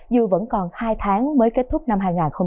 dù vẫn còn hai tháng mới kết thúc năm hai nghìn hai mươi